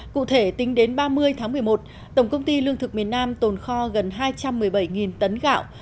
cụ thể tính đến ba mươi tháng một mươi một tổng công ty lương thực miền nam tồn kho gần hai trăm một mươi bảy tấn gạo